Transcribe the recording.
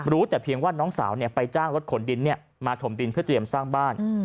แต่เพียงว่าน้องสาวไปจ้างรถขนดินมาถมดินเพื่อเตรียมสร้างบ้าน